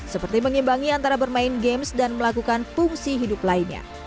seperti mengimbangi antara bermain games dan melakukan fungsi hidup lainnya